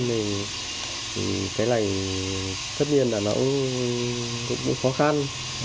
thì cái này rất nhiên là nó cũng khó khăn